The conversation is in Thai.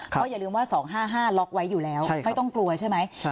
เพราะอย่าลืมว่า๒๕๕ล็อกไว้อยู่แล้วไม่ต้องกลัวใช่ไหม